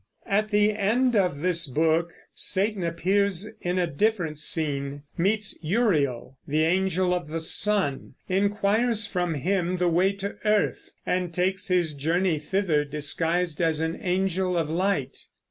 At the end of this book Satan appears in a different scene, meets Uriel, the Angel of the Sun, inquires from him the way to earth, and takes his journey thither disguised as an angel of light.